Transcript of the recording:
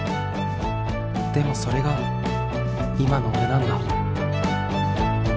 でもそれが今の俺なんだ。